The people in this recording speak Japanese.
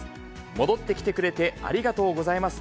戻ってきてくれてありがとうございます！